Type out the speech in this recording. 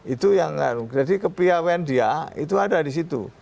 itu yang jadi kepiawean dia itu ada di situ